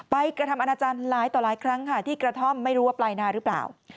กระทำอนาจารย์หลายต่อหลายครั้งค่ะที่กระท่อมไม่รู้ว่าปลายนาหรือเปล่า